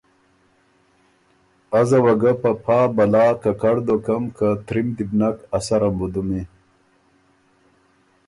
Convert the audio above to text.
ازه وه ګۀ په پا بلا ککړ دوکم که ترِم دی بو نک، ا سرم بُو دُمی۔